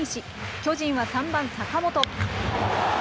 巨人は３番坂本。